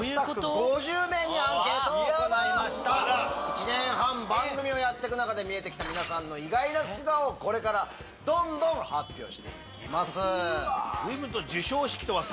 １年半番組をやってく中で見えてきた皆さんの意外な素顔をこれからどんどん発表していきます。